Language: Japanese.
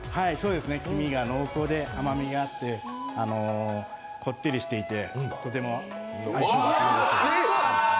黄身が濃厚で甘みがあってこってりしていてとても相性がいいです。